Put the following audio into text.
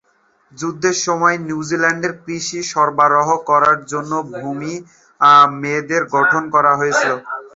যুদ্ধের সময় নিউজিল্যান্ডের কৃষি সরবরাহ করার জন্য ভূমি মেয়েদের গঠন করা হয়েছিল।